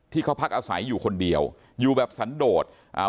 ที่เขาพักอาศัยอยู่คนเดียวอยู่แบบสันโดดอ่า